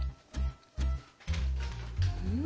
うん？